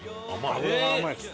脂が甘いです。